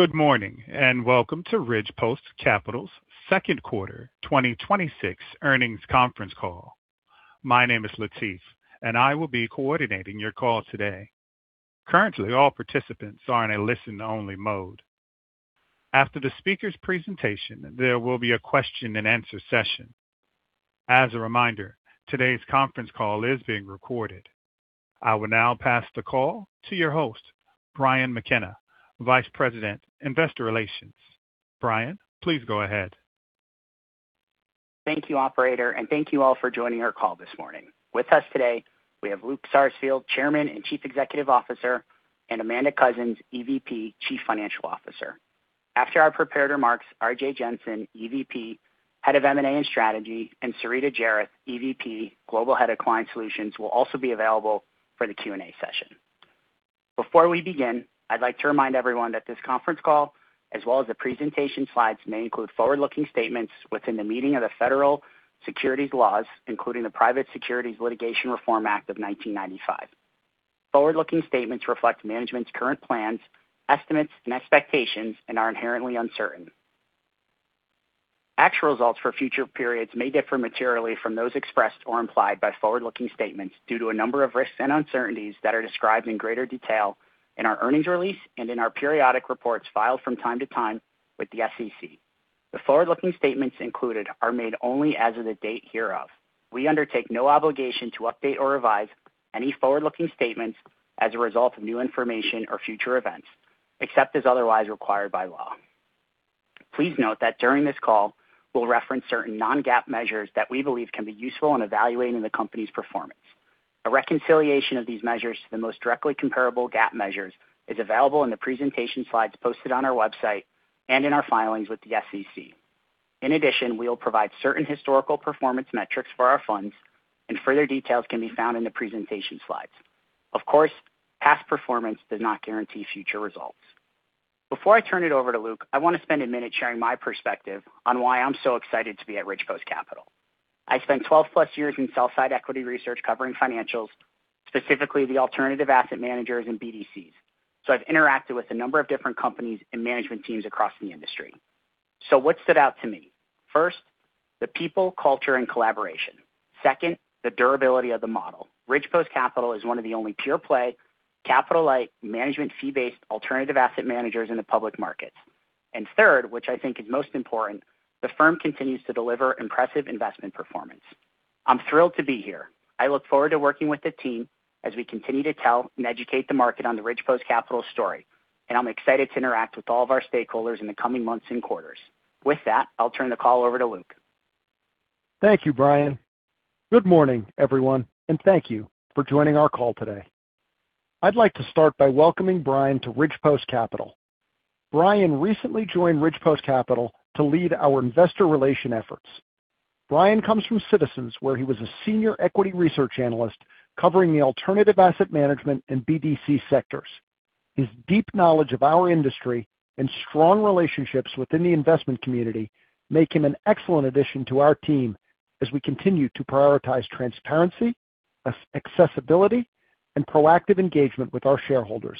Good morning. Welcome to Ridgepost Capital's Q2 2026 earnings conference call. My name is Latif, and I will be coordinating your call today. Currently, all participants are in a listen-only mode. After the speaker's presentation, there will be a question and answer session. As a reminder, today's conference call is being recorded. I will now pass the call to your host, Brian McKenna, Vice President, Investor Relations. Brian, please go ahead. Thank you, operator. Thank you all for joining our call this morning. With us today, we have Luke Sarsfield, Chairman and Chief Executive Officer, and Amanda Coussens, EVP, Chief Financial Officer. After our prepared remarks, Arjay Jensen, EVP, Head of M&A and Strategy, and Sarita Jairath, EVP, Global Head of Client Solutions, will also be available for the Q&A session. Before we begin, I'd like to remind everyone that this conference call, as well as the presentation slides, may include forward-looking statements within the meaning of the federal securities laws, including the Private Securities Litigation Reform Act of 1995. Forward-looking statements reflect management's current plans, estimates, and expectations and are inherently uncertain. Actual results for future periods may differ materially from those expressed or implied by forward-looking statements due to a number of risks and uncertainties that are described in greater detail in our earnings release and in our periodic reports filed from time to time with the SEC. The forward-looking statements included are made only as of the date hereof. We undertake no obligation to update or revise any forward-looking statements as a result of new information or future events, except as otherwise required by law. Please note that during this call, we'll reference certain non-GAAP measures that we believe can be useful in evaluating the company's performance. A reconciliation of these measures to the most directly comparable GAAP measures is available in the presentation slides posted on our website and in our filings with the SEC. In addition, we will provide certain historical performance metrics for our funds, and further details can be found in the presentation slides. Of course, past performance does not guarantee future results. Before I turn it over to Luke, I want to spend a minute sharing my perspective on why I'm so excited to be at Ridgepost Capital. I spent 12+ years in sell-side equity research covering financials, specifically the alternative asset managers and BDCs. I've interacted with a number of different companies and management teams across the industry. What stood out to me? First, the people, culture, and collaboration. Second, the durability of the model. Ridgepost Capital is one of the only pure-play capital-light management fee-based alternative asset managers in the public markets. Third, which I think is most important, the firm continues to deliver impressive investment performance. I'm thrilled to be here. I look forward to working with the team as we continue to tell and educate the market on the Ridgepost Capital story, and I'm excited to interact with all of our stakeholders in the coming months and quarters. With that, I'll turn the call over to Luke. Thank you, Brian. Good morning, everyone, and thank you for joining our call today. I'd like to start by welcoming Brian to Ridgepost Capital. Brian recently joined Ridgepost Capital to lead our investor relations efforts. Brian comes from Citizens, where he was a senior equity research analyst covering the alternative asset management and BDC sectors. His deep knowledge of our industry and strong relationships within the investment community make him an excellent addition to our team as we continue to prioritize transparency, accessibility, and proactive engagement with our shareholders.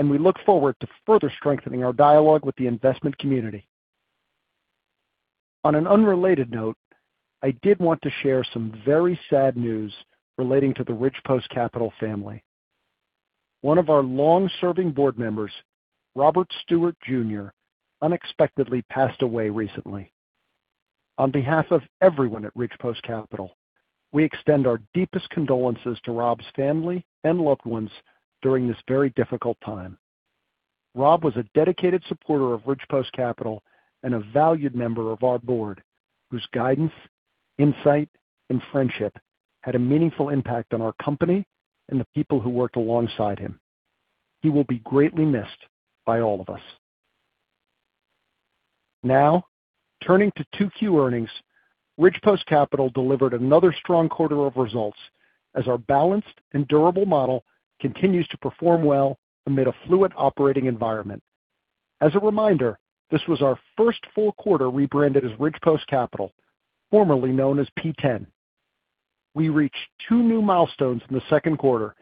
On an unrelated note, I did want to share some very sad news relating to the Ridgepost Capital family. One of our long-serving board members, Robert Stewart Jr., unexpectedly passed away recently. On behalf of everyone at Ridgepost Capital, we extend our deepest condolences to Rob's family and loved ones during this very difficult time. Rob was a dedicated supporter of Ridgepost Capital and a valued member of our board, whose guidance, insight, and friendship had a meaningful impact on our company and the people who worked alongside him. He will be greatly missed by all of us. Now, turning to Q2 earnings, Ridgepost Capital delivered another strong quarter of results as our balanced and durable model continues to perform well amid a fluid operating environment. As a reminder, this was our first full quarter rebranded as Ridgepost Capital, formerly known as P10. We reached two new milestones in the Q2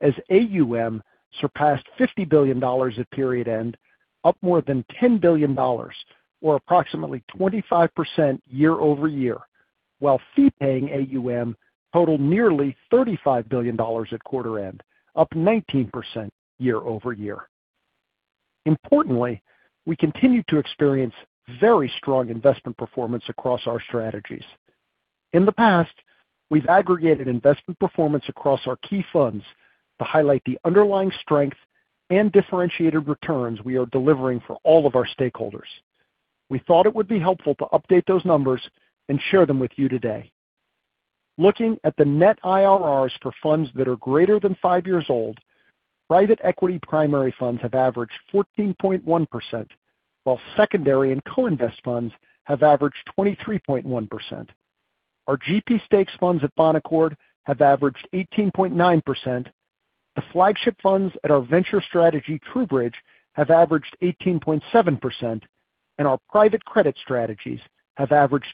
as AUM surpassed $50 billion at period end, up more than $10 billion, or approximately 25% year-over-year, while fee-paying AUM totaled nearly $35 billion at quarter-end, up 19% year-over-year. Importantly, we continue to experience very strong investment performance across our strategies. In the past, we've aggregated investment performance across our key funds to highlight the underlying strength and differentiated returns we are delivering for all of our stakeholders. We thought it would be helpful to update those numbers and share them with you today. Looking at the net IRRs for funds that are greater than five years old, private equity primary funds have averaged 14.1%, while secondary and co-invest funds have averaged 23.1%. Our GP stakes funds at Bonaccord have averaged 18.9%, the flagship funds at our venture strategy, TrueBridge, have averaged 18.7%. Our private credit strategies have averaged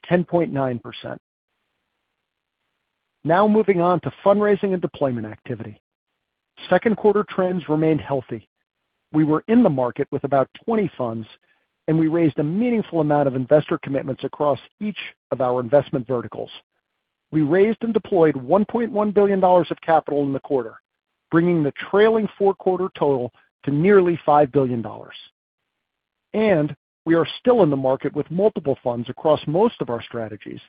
10.9%. Moving on to fundraising and deployment activity. Q2 trends remained healthy. We were in the market with about 20 funds, we raised a meaningful amount of investor commitments across each of our investment verticals. We raised and deployed $1.1 billion of capital in the quarter, bringing the trailing four quarter total to nearly $5 billion. We are still in the market with multiple funds across most of our strategies,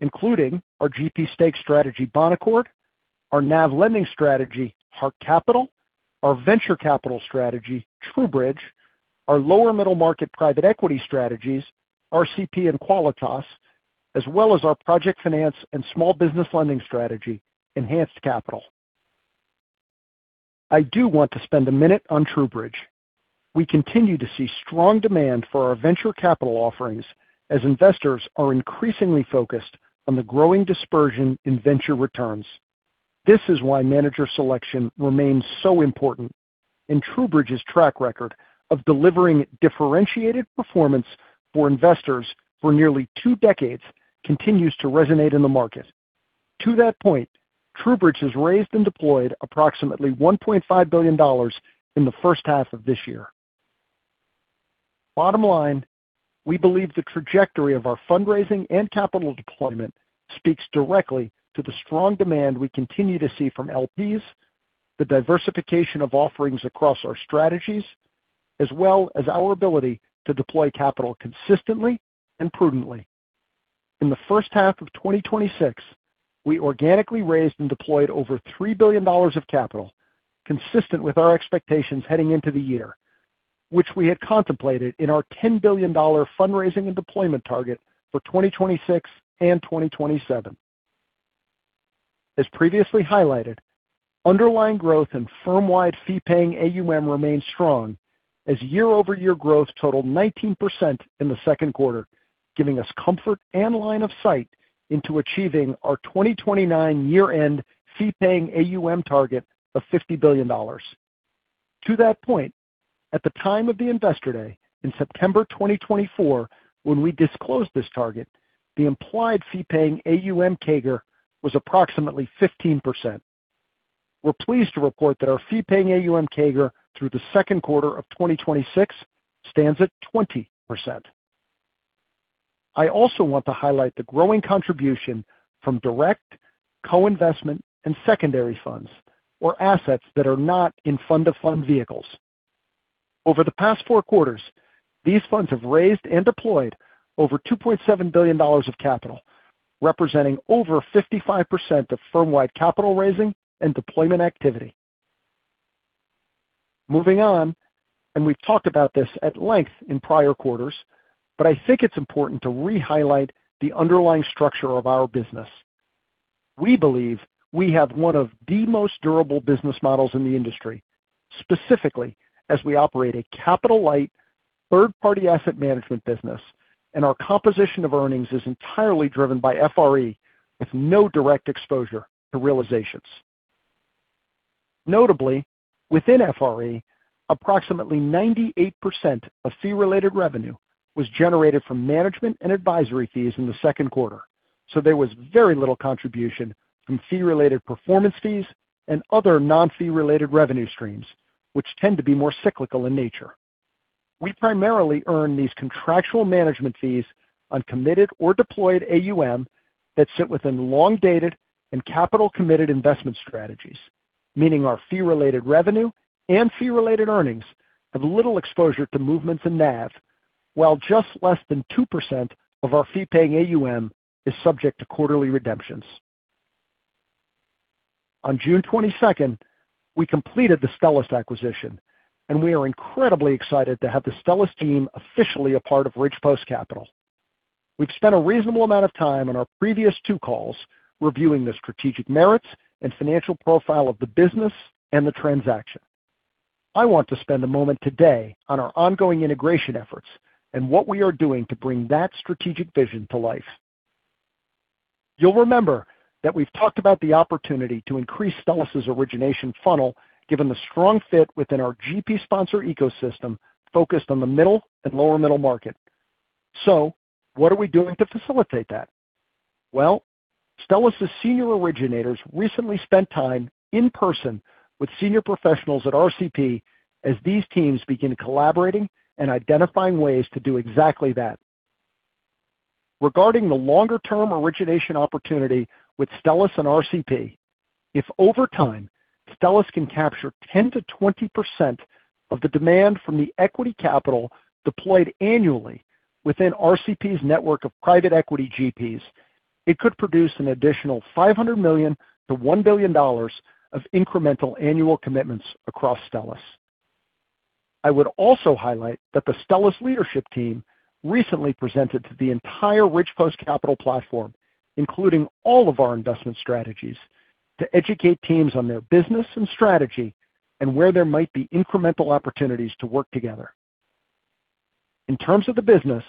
including our GP stake strategy, Bonaccord, our NAV lending strategy, Hark Capital, our venture capital strategy, TrueBridge, our lower middle market private equity strategies, RCP and Qualitas, as well as our project finance and small business lending strategy, Enhanced Capital. I do want to spend a minute on TrueBridge. We continue to see strong demand for our venture capital offerings as investors are increasingly focused on the growing dispersion in venture returns. This is why manager selection remains so important, TrueBridge's track record of delivering differentiated performance for investors for nearly two decades continues to resonate in the market. To that point, TrueBridge has raised and deployed approximately $1.5 billion in the H1 of this year. Bottom line, we believe the trajectory of our fundraising and capital deployment speaks directly to the strong demand we continue to see from LPs, the diversification of offerings across our strategies, as well as our ability to deploy capital consistently and prudently. In the H1 of 2026, we organically raised and deployed over $3 billion of capital, consistent with our expectations heading into the year, which we had contemplated in our $10 billion fundraising and deployment target for 2026 and 2027. As previously highlighted, underlying growth in firm-wide fee-paying AUM remains strong as year-over-year growth totaled 19% in the Q2, giving us comfort and line of sight into achieving our 2029 year-end fee-paying AUM target of $50 billion. To that point, at the time of the investor day in September 2024 when we disclosed this target, the implied fee-paying AUM CAGR was approximately 15%. We're pleased to report that our fee-paying AUM CAGR through the Q2 of 2026 stands at 20%. I also want to highlight the growing contribution from direct co-investment and secondary funds or assets that are not in fund-to-fund vehicles. Over the past four quarters, these funds have raised and deployed over $2.7 billion of capital, representing over 55% of firm-wide capital raising and deployment activity. Moving on, we've talked about this at length in prior quarters, I think it's important to re-highlight the underlying structure of our business. We believe we have one of the most durable business models in the industry, specifically as we operate a capital-light third-party asset management business, our composition of earnings is entirely driven by FRE, with no direct exposure to realizations. Notably, within FRE, approximately 98% of fee-related revenue was generated from management and advisory fees in the Q2. There was very little contribution from fee-related performance fees and other non-fee related revenue streams, which tend to be more cyclical in nature. We primarily earn these contractual management fees on committed or deployed AUM that sit within long-dated and capital-committed investment strategies, meaning our fee-related revenue and fee-related earnings have little exposure to movements in NAV, while just less than 2% of our fee-paying AUM is subject to quarterly redemptions. On June 22nd, we completed the Stellus acquisition, and we are incredibly excited to have the Stellus team officially a part of Ridgepost Capital. We've spent a reasonable amount of time on our previous two calls reviewing the strategic merits and financial profile of the business and the transaction. I want to spend a moment today on our ongoing integration efforts and what we are doing to bring that strategic vision to life. You'll remember that we've talked about the opportunity to increase Stellus' origination funnel, given the strong fit within our GP sponsor ecosystem focused on the middle and lower middle market. What are we doing to facilitate that? Well, Stellus' senior originators recently spent time in person with senior professionals at RCP as these teams begin collaborating and identifying ways to do exactly that. Regarding the longer-term origination opportunity with Stellus and RCP. If over time, Stellus can capture 10%-20% of the demand from the equity capital deployed annually within RCP's network of private equity GPs, it could produce an additional $500 million-$1 billion of incremental annual commitments across Stellus. I would also highlight that the Stellus leadership team recently presented to the entire Ridgepost Capital platform, including all of our investment strategies, to educate teams on their business and strategy and where there might be incremental opportunities to work together. In terms of the business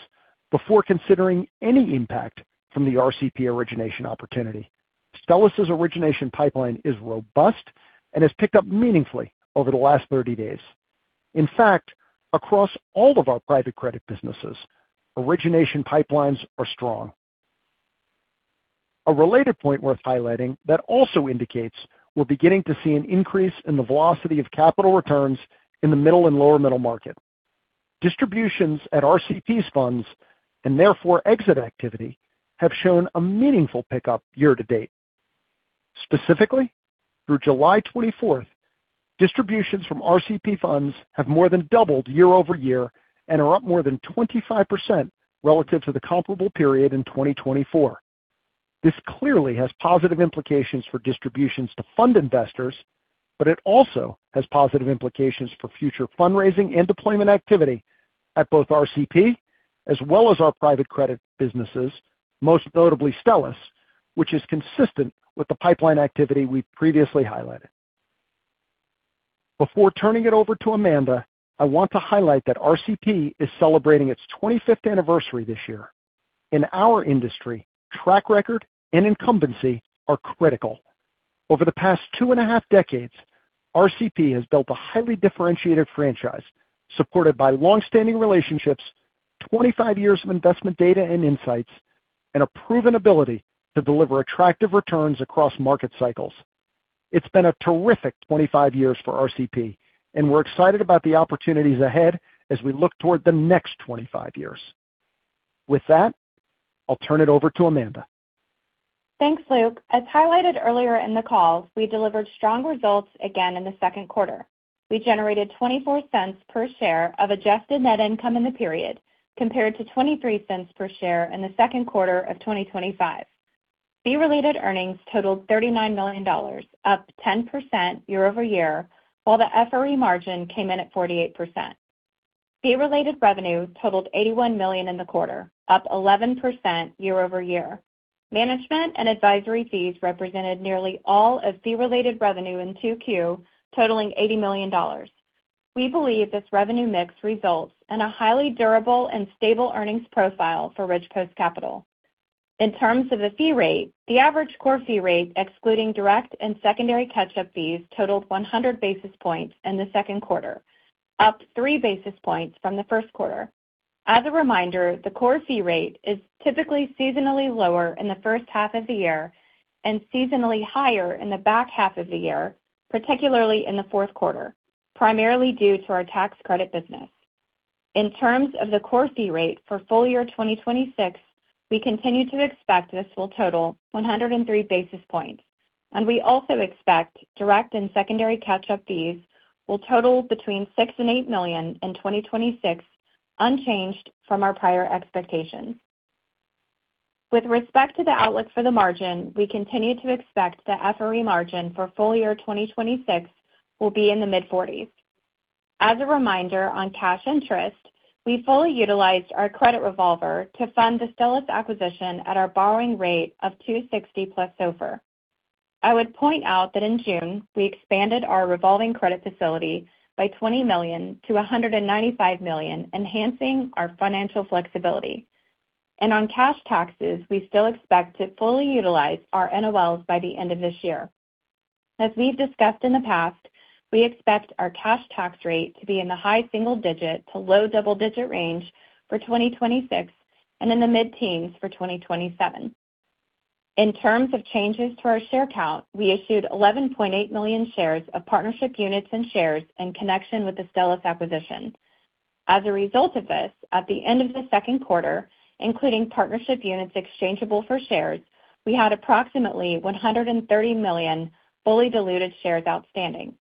Before considering any impact from the RCP origination opportunity, Stellus' origination pipeline is robust and has picked up meaningfully over the last 30 days. In fact, across all of our private credit businesses, origination pipelines are strong. A related point worth highlighting that also indicates we're beginning to see an increase in the velocity of capital returns in the middle and lower middle market. Distributions at RCP's funds, and therefore exit activity, have shown a meaningful pickup year-to-date. Specifically, through July 24th, distributions from RCP funds have more than doubled year-over-year and are up more than 25% relative to the comparable period in 2024. This clearly has positive implications for distributions to fund investors, but it also has positive implications for future fundraising and deployment activity at both RCP as well as our private credit businesses, most notably Stellus, which is consistent with the pipeline activity we previously highlighted. Before turning it over to Amanda, I want to highlight that RCP is celebrating its 25th anniversary this year. In our industry, track record and incumbency are critical. Over the past two and a half decades, RCP has built a highly differentiated franchise supported by longstanding relationships, 25 years of investment data and insights, and a proven ability to deliver attractive returns across market cycles. It's been a terrific 25 years for RCP, and we're excited about the opportunities ahead as we look toward the next 25 years. With that, I'll turn it over to Amanda. Thanks, Luke. As highlighted earlier in the call, we delivered strong results again in the Q2. We generated $0.24 per share of adjusted net income in the period, compared to $0.23 per share in the Q2 of 2025. Fee-related earnings totaled $39 million, up 10% year-over-year, while the FRE margin came in at 48%. Fee-related revenue totaled $81 million in the quarter, up 11% year-over-year. Management and advisory fees represented nearly all of fee-related revenue in Q2, totaling $80 million. We believe this revenue mix results in a highly durable and stable earnings profile for Ridgepost Capital. In terms of the fee rate, the average core fee rate, excluding direct and secondary catch-up fees, totaled 100 basis points in the Q2, up three basis points from the Q1. As a reminder, the core fee rate is typically seasonally lower in the H1 of the year and seasonally higher in the back half of the year, particularly in the Q4, primarily due to our tax credit business. In terms of the core fee rate for full-year 2026, we continue to expect this will total 103 basis points, and we also expect direct and secondary catch-up fees will total between $6 million and $8 million in 2026, unchanged from our prior expectations. With respect to the outlook for the margin, we continue to expect the FRE margin for full-year 2026 will be in the mid-40s. As a reminder on cash interest, we fully utilized our credit revolver to fund the Stellus acquisition at our borrowing rate of 260+ SOFR. I would point out that in June, we expanded our revolving credit facility by $20 million to $195 million, enhancing our financial flexibility. On cash taxes, we still expect to fully utilize our NOLs by the end of this year. As we've discussed in the past, we expect our cash tax rate to be in the high single digit to low double-digit range for 2026 and in the mid-teens for 2027. In terms of changes to our share count, we issued 11.8 million shares of partnership units and shares in connection with the Stellus acquisition. As a result of this, at the end of the Q2, including partnership units exchangeable for shares, we had approximately 130 million fully diluted shares outstanding.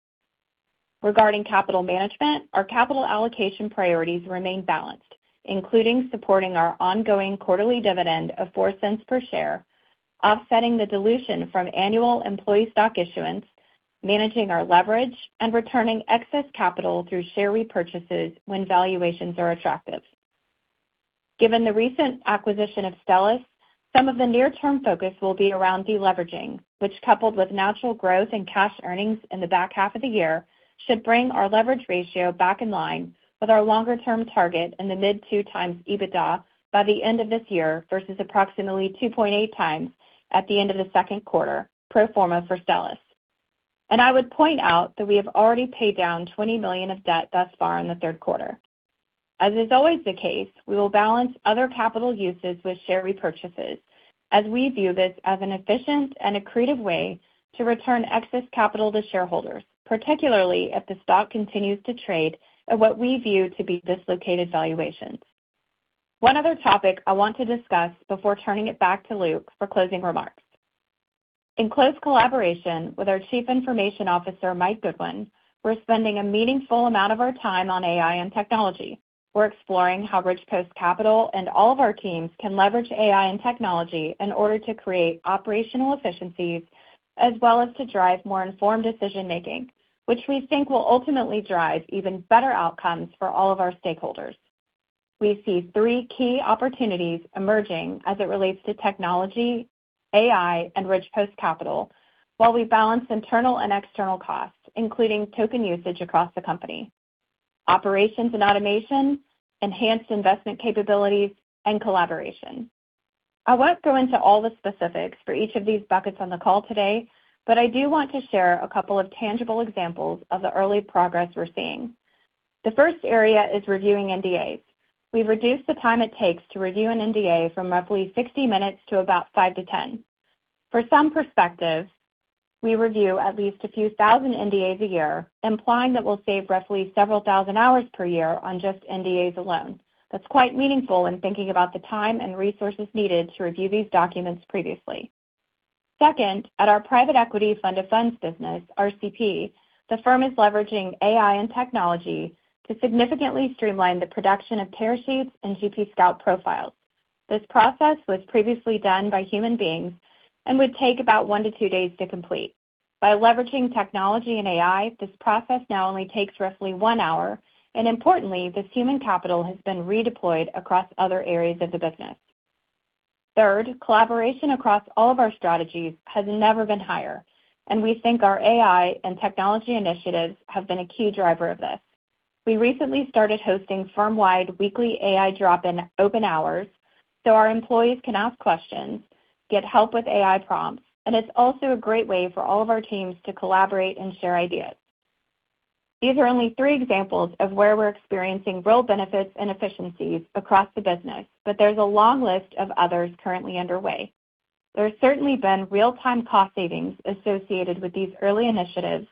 Regarding capital management, our capital allocation priorities remain balanced, including supporting our ongoing quarterly dividend of $0.04 per share, offsetting the dilution from annual employee stock issuance, managing our leverage, and returning excess capital through share repurchases when valuations are attractive. Given the recent acquisition of Stellus, some of the near-term focus will be around deleveraging, which, coupled with natural growth in cash earnings in the back half of the year, should bring our leverage ratio back in line with our longer-term target in the mid 2x EBITDA by the end of this year versus approximately 2.8x at the end of the Q2 pro forma for Stellus. I would point out that we have already paid down $20 million of debt thus far in the Q3. As is always the case, we will balance other capital uses with share repurchases, as we view this as an efficient and accretive way to return excess capital to shareholders, particularly if the stock continues to trade at what we view to be dislocated valuations. One other topic I want to discuss before turning it back to Luke for closing remarks. In close collaboration with our Chief Information Officer, Mike Goodwin, we're spending a meaningful amount of our time on AI and technology. We're exploring how Ridgepost Capital and all of our teams can leverage AI and technology in order to create operational efficiencies as well as to drive more informed decision-making, which we think will ultimately drive even better outcomes for all of our stakeholders. We see three key opportunities emerging as it relates to technology, AI, and Ridgepost Capital while we balance internal and external costs, including token usage across the company, operations and automation, enhanced investment capabilities, and collaboration. I won't go into all the specifics for each of these buckets on the call today, but I do want to share a couple of tangible examples of the early progress we're seeing. The first area is reviewing NDAs. We've reduced the time it takes to review an NDA from roughly 60 minutes to about 5-10. For some perspective, we review at least a few thousand NDAs a year, implying that we'll save roughly several thousand hours per year on just NDAs alone. That's quite meaningful in thinking about the time and resources needed to review these documents previously. Second, at our private equity fund of funds business, RCP, the firm is leveraging AI and technology to significantly streamline the production of tear sheets and GPScout profiles. This process was previously done by human beings and would take about one to two days to complete. By leveraging technology and AI, this process now only takes roughly one hour, and importantly, this human capital has been redeployed across other areas of the business. Third, collaboration across all of our strategies has never been higher, and we think our AI and technology initiatives have been a key driver of this. We recently started hosting firm-wide weekly AI drop-in open hours so our employees can ask questions, get help with AI prompts, and it's also a great way for all of our teams to collaborate and share ideas. These are only three examples of where we're experiencing real benefits and efficiencies across the business, but there's a long list of others currently underway. There's certainly been real-time cost savings associated with these early initiatives,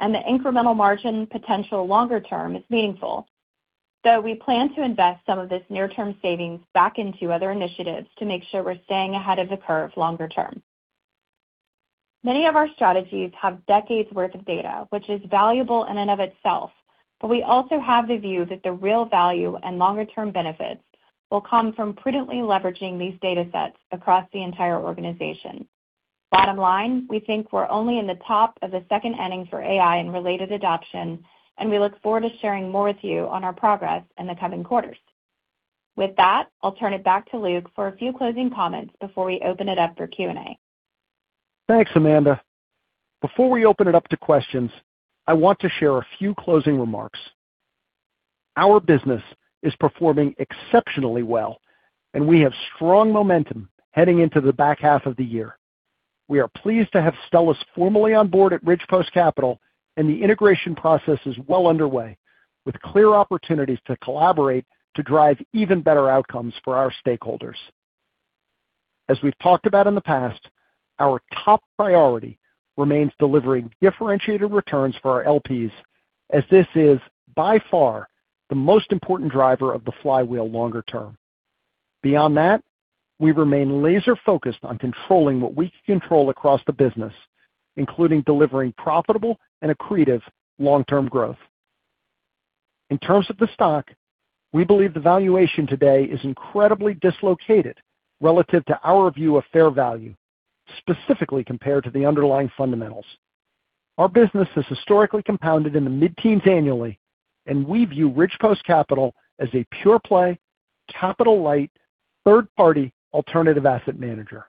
and the incremental margin potential longer term is meaningful. We plan to invest some of this near-term savings back into other initiatives to make sure we're staying ahead of the curve longer term. Many of our strategies have decades' worth of data, which is valuable in and of itself. We also have the view that the real value and longer-term benefits will come from prudently leveraging these data sets across the entire organization. Bottom line, we think we're only in the top of the second inning for AI and related adoption, and we look forward to sharing more with you on our progress in the coming quarters. With that, I'll turn it back to Luke for a few closing comments before we open it up for Q&A. Thanks, Amanda. Before we open it up to questions, I want to share a few closing remarks. Our business is performing exceptionally well, and we have strong momentum heading into the back half of the year. We are pleased to have Stellus formally on board at Ridgepost Capital, and the integration process is well underway, with clear opportunities to collaborate to drive even better outcomes for our stakeholders. As we've talked about in the past, our top priority remains delivering differentiated returns for our LPs, as this is, by far, the most important driver of the flywheel longer term. Beyond that, we remain laser-focused on controlling what we can control across the business, including delivering profitable and accretive long-term growth. In terms of the stock, we believe the valuation today is incredibly dislocated relative to our view of fair value, specifically compared to the underlying fundamentals. Our business has historically compounded in the mid-teens annually, and we view Ridgepost Capital as a pure-play, capital-light, third-party alternative asset manager.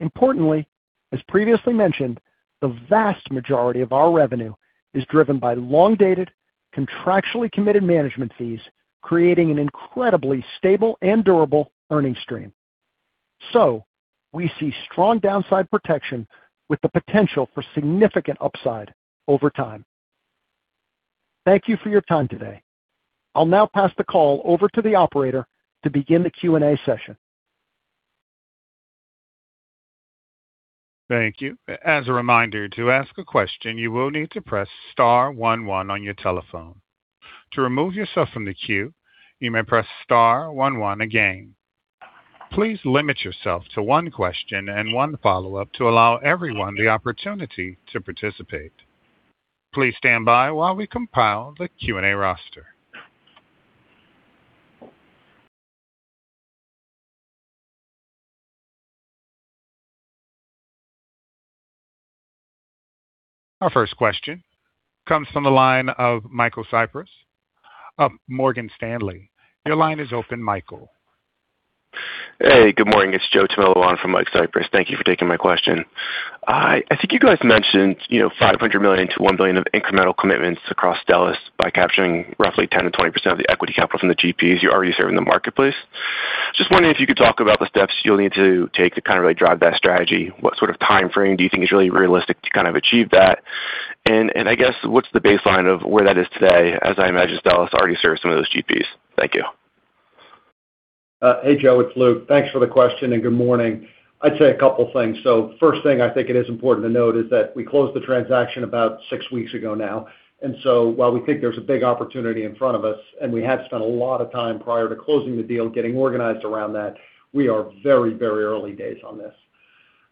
Importantly, as previously mentioned, the vast majority of our revenue is driven by long-dated, contractually committed management fees, creating an incredibly stable and durable earning stream. We see strong downside protection with the potential for significant upside over time. Thank you for your time today. I'll now pass the call over to the operator to begin the Q&A session. Thank you. As a reminder, to ask a question, you will need to press star one one on your telephone. To remove yourself from the queue, you may press star one one again. Please limit yourself to one question and one follow-up to allow everyone the opportunity to participate. Please stand by while we compile the Q&A roster. Our first question comes from the line of Michael Cyprys of Morgan Stanley. Your line is open, Michael. Hey, good morning. It's Joseph Tumillo on for Mike Cyprys. Thank you for taking my question. I think you guys mentioned $500 million-$1 billion of incremental commitments across Stellus by capturing roughly 10%-20% of the equity capital from the GPs you already serve in the marketplace. Just wondering if you could talk about the steps you'll need to take to kind of really drive that strategy. What sort of timeframe do you think is really realistic to kind of achieve that? I guess what's the baseline of where that is today, as I imagine Stellus already serves some of those GPs. Thank you. Hey, Joe. It's Luke. Thanks for the question and good morning. I'd say a couple things. First thing I think it is important to note is that we closed the transaction about six weeks ago now. While we think there's a big opportunity in front of us, and we have spent a lot of time prior to closing the deal getting organized around that, we are very, very early days on this.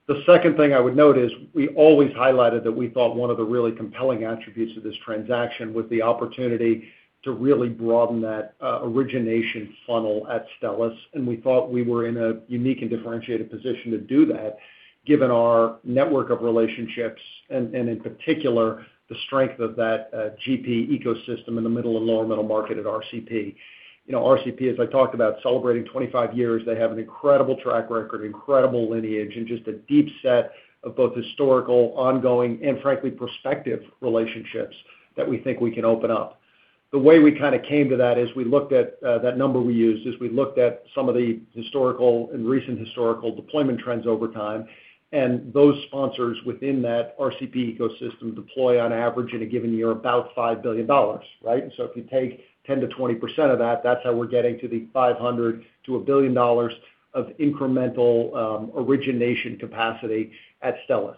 The second thing I would note is we always highlighted that we thought one of the really compelling attributes of this transaction was the opportunity to really broaden that origination funnel at Stellus. We thought we were in a unique and differentiated position to do that given our network of relationships and in particular, the strength of that GP ecosystem in the middle and lower middle market at RCP. RCP, as I talked about, celebrating 25 years. They have an incredible track record, incredible lineage, and just a deep set of both historical, ongoing, and frankly, prospective relationships that we think we can open up. The way we came to that is we looked at that number we used, is we looked at some of the historical and recent historical deployment trends over time. Those sponsors within that RCP ecosystem deploy, on average in a given year, about $5 billion. Right? If you take 10%-20% of that's how we're getting to the $500 million-$1 billion of incremental origination capacity at Stellus.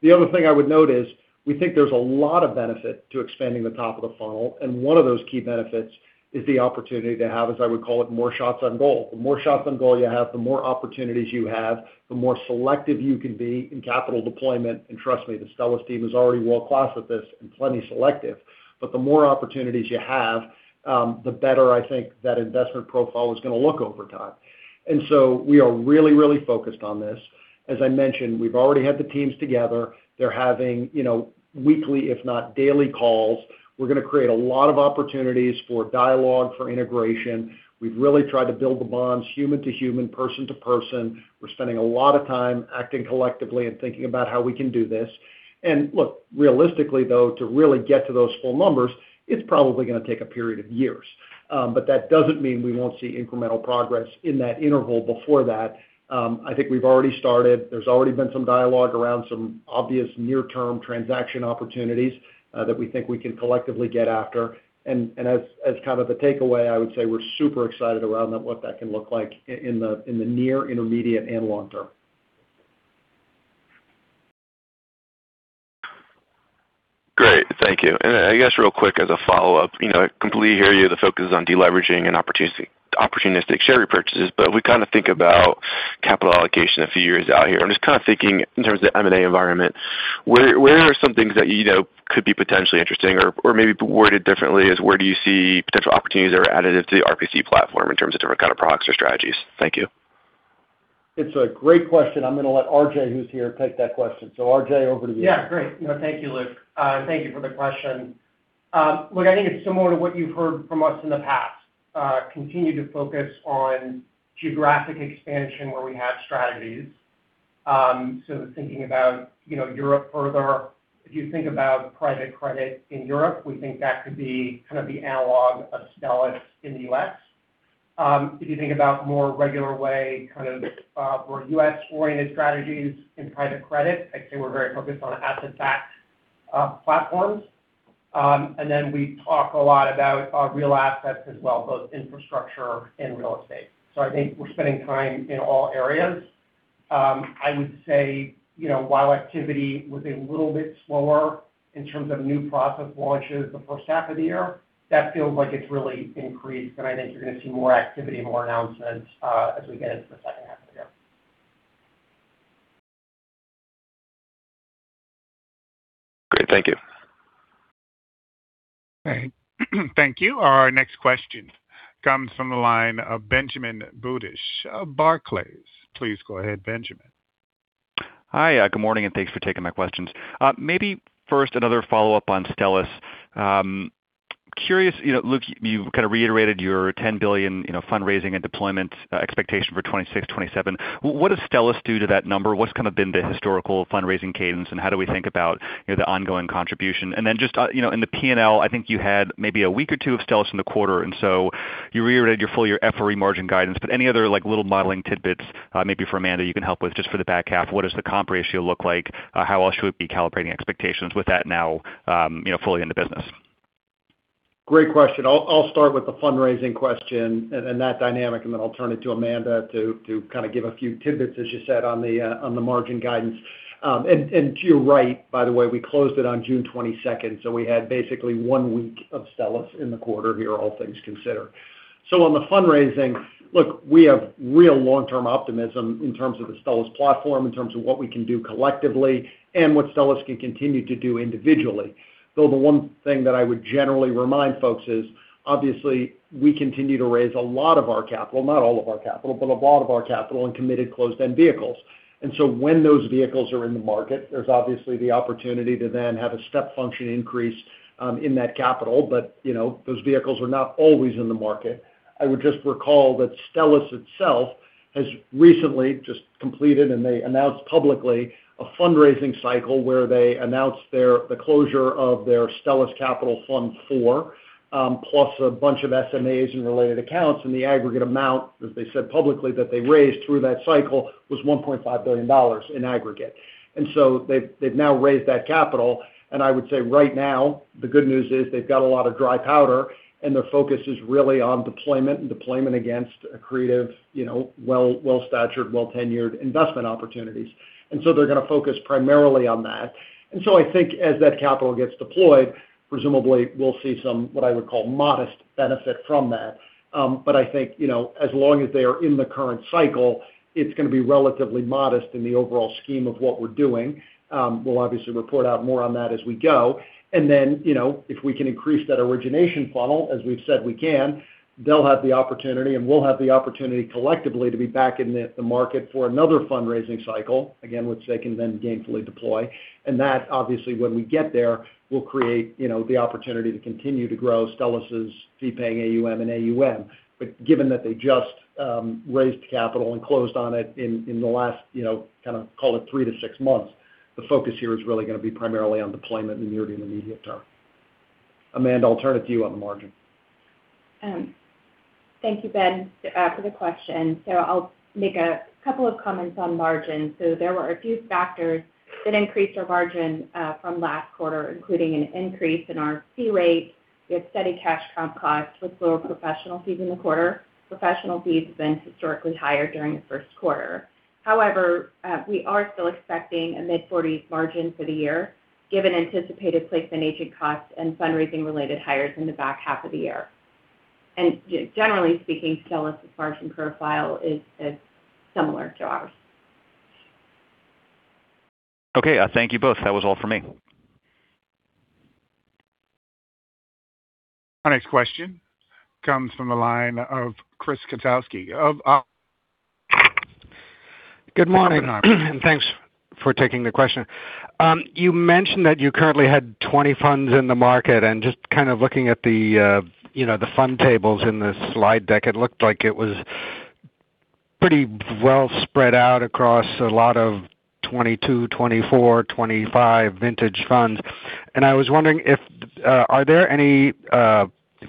The other thing I would note is we think there's a lot of benefit to expanding the top of the funnel, and one of those key benefits is the opportunity to have, as I would call it, more shots on goal. The more shots on goal you have, the more opportunities you have, the more selective you can be in capital deployment. Trust me, the Stellus team is already world-class at this and plenty selective. The more opportunities you have, the better I think that investment profile is going to look over time. We are really, really focused on this. As I mentioned, we've already had the teams together. They're having weekly, if not daily, calls. We're going to create a lot of opportunities for dialogue, for integration. We've really tried to build the bonds human to human, person to person. We're spending a lot of time acting collectively and thinking about how we can do this. Look, realistically though, to really get to those full numbers, it's probably going to take a period of years. That doesn't mean we won't see incremental progress in that interval before that. I think we've already started. There's already been some dialogue around some obvious near-term transaction opportunities that we think we can collectively get after. As kind of the takeaway, I would say we're super excited around what that can look like in the near, intermediate, and long term. Great. Thank you. I guess real quick as a follow-up. I completely hear you. The focus is on de-leveraging and opportunistic share repurchases, but we kind of think about capital allocation a few years out here. I'm just kind of thinking in terms of the M&A environment, where are some things that you know could be potentially interesting or maybe worded differently is where do you see potential opportunities that are additive to the RPC platform in terms of different kind of products or strategies? Thank you. It's a great question. I'm going to let Arjay, who's here, take that question. Arjay, over to you. Great. Thank you, Luke. Thank you for the question. I think it's similar to what you've heard from us in the past. Continue to focus on geographic expansion where we have strategies. Thinking about Europe further. If you think about private credit in Europe, we think that could be kind of the analog of Stellus in the U.S. If you think about more regular way kind of for U.S.-oriented strategies in private credit, I'd say we're very focused on asset-backed platforms. Then we talk a lot about real assets as well, both infrastructure and real estate. I think we're spending time in all areas. I would say, while activity was a little bit slower in terms of new process launches the H1 of the year, that feels like it's really increased. I think you're going to see more activity and more announcements as we get into the H2 of the year. Great. Thank you. Great. Thank you. Our next question comes from the line of Benjamin Budish of Barclays. Please go ahead, Benjamin. Hi. Good morning, and thanks for taking my questions. First another follow-up on Stellus. Curious, Luke, you kind of reiterated your $10 billion fundraising and deployment expectation for 2026, 2027. What does Stellus do to that number? What's kind of been the historical fundraising cadence, and how do we think about the ongoing contribution? Just in the P&L, I think you had maybe a week or two of Stellus in the quarter, so you reiterated your full-year FRE margin guidance. Any other little modeling tidbits maybe for Amanda you can help with just for the back half? What does the comp ratio look like? How else should we be calibrating expectations with that now fully in the business? Great question. I'll start with the fundraising question and that dynamic, I'll turn it to Amanda to kind of give a few tidbits, as you said, on the margin guidance. You're right, by the way, we closed it on June 22nd, so we had basically one week of Stellus in the quarter here, all things considered. On the fundraising, look, we have real long-term optimism in terms of the Stellus platform, in terms of what we can do collectively and what Stellus can continue to do individually. Though the one thing that I would generally remind folks is obviously we continue to raise a lot of our capital, not all of our capital, but a lot of our capital in committed closed-end vehicles. When those vehicles are in the market, there's obviously the opportunity to then have a step function increase in that capital. Those vehicles are not always in the market. I would just recall that Stellus itself has recently just completed, and they announced publicly, a fundraising cycle where they announced the closure of their Stellus Credit Fund IV plus a bunch of SMAs and related accounts. The aggregate amount that they said publicly that they raised through that cycle was $1.5 billion in aggregate. They've now raised that capital. I would say right now, the good news is they've got a lot of dry powder, and their focus is really on deployment and deployment against accretive, well-statured, well-tenured investment opportunities. They're going to focus primarily on that. I think as that capital gets deployed, presumably we'll see some, what I would call, modest benefit from that. I think as long as they are in the current cycle, it's going to be relatively modest in the overall scheme of what we're doing. We'll obviously report out more on that as we go. If we can increase that origination funnel, as we've said we can, they'll have the opportunity and we'll have the opportunity collectively to be back in the market for another fundraising cycle, again, which they can then gainfully deploy. That, obviously when we get there, will create the opportunity to continue to grow Stellus' fee-paying AUM and AUM. Given that they just raised capital and closed on it in the last call it three to six months, the focus here is really going to be primarily on deployment in the near to intermediate term. Amanda, I'll turn it to you on the margin. Thank you, Ben, for the question. I'll make a couple of comments on margins. There were a few factors that increased our margin from last quarter, including an increase in our fee rate. We have steady cash comp costs with lower professional fees in the quarter. Professional fees have been historically higher during the Q1. However, we are still expecting a mid-40s margin for the year, given anticipated placement agent costs and fundraising related hires in the back half of the year. Generally speaking, Stellus' margin profile is similar to ours. Okay. Thank you both. That was all for me. Our next question comes from the line of Chris [Wyzgowski] of... Good morning. Thanks for taking the question. You mentioned that you currently had 20 funds in the market. Just kind of looking at the fund tables in the slide deck, it looked like it was pretty well spread out across a lot of 2022, 2024, 2025 vintage funds. I was wondering, are there any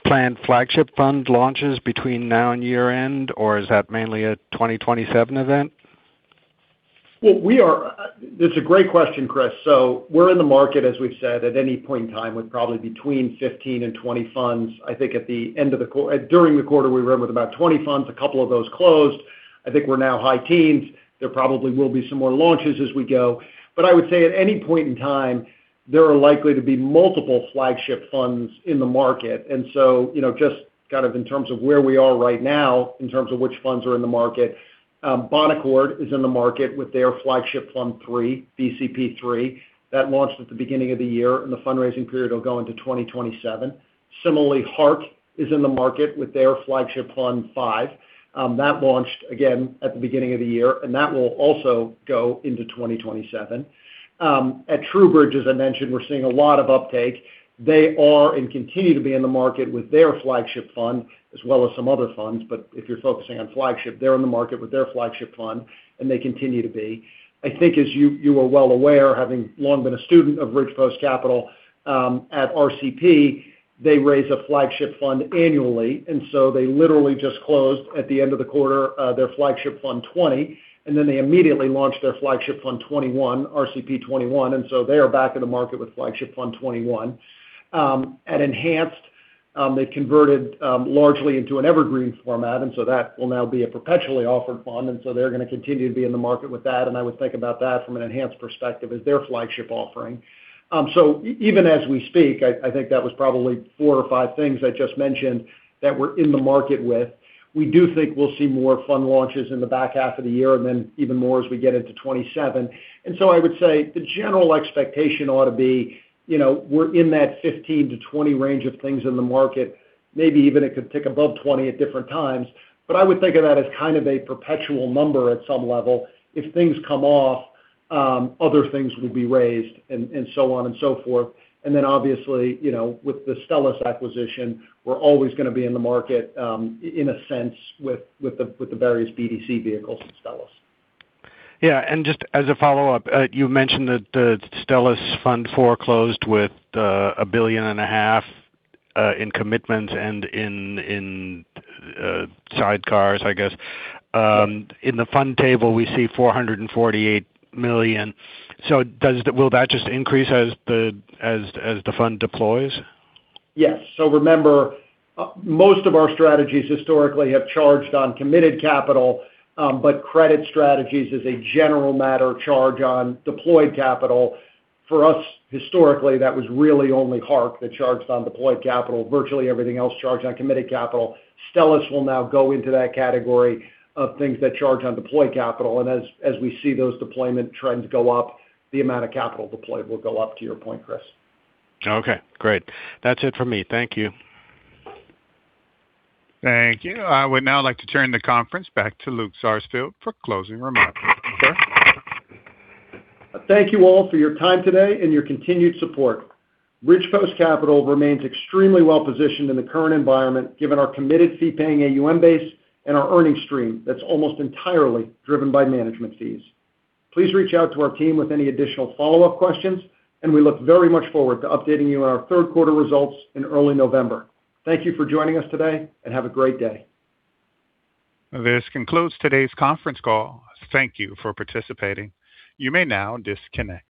planned flagship fund launches between now and year-end, or is that mainly a 2027 event? That's a great question, Chris. We're in the market, as we've said, at any point in time, with probably between 15 and 20 funds. I think during the quarter, we were in with about 20 funds. A couple of those closed. I think we're now high teens. There probably will be some more launches as we go. I would say at any point in time, there are likely to be multiple flagship funds in the market. Just kind of in terms of where we are right now, in terms of which funds are in the market, Bonaccord is in the market with their flagship fund three, BCP III. That launched at the beginning of the year, and the fundraising period will go into 2027. Similarly, Hark Capital is in the market with their flagship fund five. That launched, again, at the beginning of the year. That will also go into 2027. At TrueBridge, as I mentioned, we're seeing a lot of uptake. They are and continue to be in the market with their flagship fund, as well as some other funds. If you're focusing on flagship, they're in the market with their flagship fund, and they continue to be. I think as you are well aware, having long been a student of Ridgepost Capital, at RCP, they raise a flagship fund annually. They literally just closed at the end of the quarter, their flagship fund 20, and then they immediately launched their flagship fund 21, RCP 21. They are back in the market with flagship fund 21. At Enhanced, they converted largely into an evergreen format. That will now be a perpetually offered fund. They're going to continue to be in the market with that, and I would think about that from an Enhanced perspective as their flagship offering. Even as we speak, I think that was probably four or five things I just mentioned that we're in the market with. We do think we'll see more fund launches in the back half of the year, even more as we get into 2027. I would say the general expectation ought to be, we're in that 15-20 range of things in the market. Maybe even it could tick above 20 at different times. I would think of that as kind of a perpetual number at some level. If things come off, other things will be raised, and so on and so forth. Obviously, with the Stellus acquisition, we're always going to be in the market, in a sense, with the various BDC vehicles at Stellus. Just as a follow-up, you mentioned that Stellus Credit Fund IV closed with a billion and a half in commitments and in sidecars, I guess. In the fund table, we see $448 million. Will that just increase as the fund deploys? Yes. Remember, most of our strategies historically have charged on committed capital, but credit strategies as a general matter, charge on deployed capital. For us, historically, that was really only HARC that charged on deployed capital. Virtually everything else charged on committed capital. Stellus will now go into that category of things that charge on deployed capital, and as we see those deployment trends go up, the amount of capital deployed will go up to your point, Chris. Okay, great. That's it for me. Thank you. Thank you. I would now like to turn the conference back to Luke Sarsfield for closing remarks. Sir? Thank you all for your time today and your continued support. Ridgepost Capital remains extremely well-positioned in the current environment, given our committed fee-paying AUM base and our earnings stream that's almost entirely driven by management fees. Please reach out to our team with any additional follow-up questions. We look very much forward to updating you on our Q3 results in early November. Thank you for joining us today. Have a great day. This concludes today's conference call. Thank you for participating. You may now disconnect.